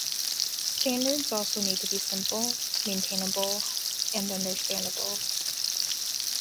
Standards also need to be simple, maintainable and understandable.